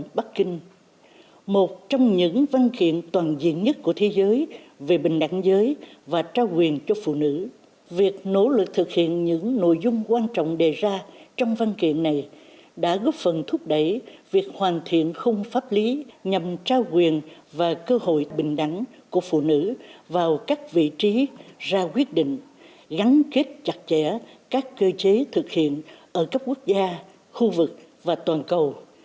đồng bắc kinh một trong những văn kiện toàn diện nhất của thế giới về bình đẳng giới và trao quyền cho phụ nữ việc nỗ lực thực hiện những nội dung quan trọng đề ra trong văn kiện này đã góp phần thúc đẩy việc hoàn thiện không pháp lý nhằm trao quyền và cơ hội bình đẳng của phụ nữ vào các vị trí ra quyết định gắn kết chặt chẽ các cơ chế thực hiện ở các quốc gia khu vực và toàn cầu